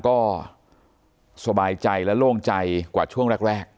ก็สบายใจและโล่งใจกว่าช่วงแรก